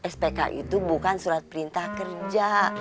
spk itu bukan surat perintah kerja